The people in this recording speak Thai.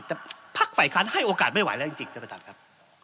แต่พักฝ่ายค้านให้โอกาสไม่ไหวแล้วจริงท่านประธานครับ